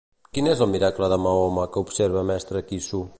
Quin és el miracle de Mahoma que observa Mestre Quissu?